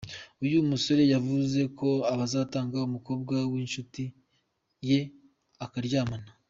Uyu musore yavuze ko azatanga umukobwa wincuti ye akaryamana.